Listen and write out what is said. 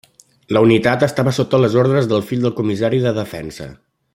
La unitat estava sota les ordres del fill del comissari de defensa.